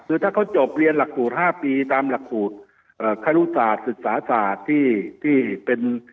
คือถ้าเขาจบเรียนหลักสูตร๕ปีตามหลักสูตรครุศาสตร์ศึกษาศาสตร์ที่เป็น